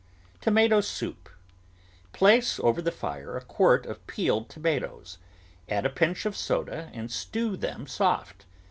TOMATO SOUP Place over the fire a quart of peeled tomatoes, add a pinch of soda, and stew them soft.